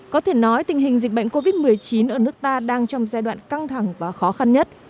có thể nói tình hình dịch bệnh covid một mươi chín ở nước ta đang trong giai đoạn căng thẳng và khó khăn nhất